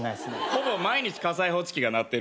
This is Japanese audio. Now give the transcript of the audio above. ほぼ毎日火災報知機が鳴ってる。